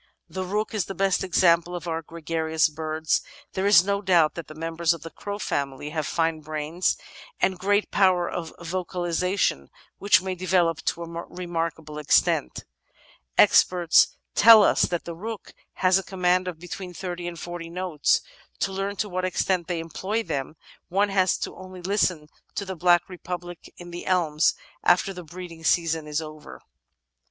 ^ The Rook is the best example of our gregarious birds. There is no doubt that the members of the Crow family have fine brains, * Professor J. Arthur Thomson, The Wonder of Life, Natural History 418 and great power of vocalisation which may develop to a remark able extent. Experts teU us that the Rook has command of be tween thirty and forty notes. To learn to what extent they employ them one has only to listen to ''the black republic in the elms," after the breeding season is over.